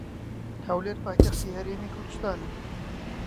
هەولێر پایتەختی هەرێمی کوردستانە.